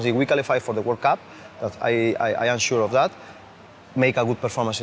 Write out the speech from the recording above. ให้มีความสุขที่มีความสุขที่มีความสุขที่มี